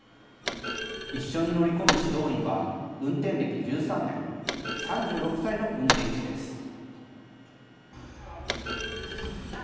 一緒に乗り込む指導員は、運転歴１３年、３６歳の運転士です。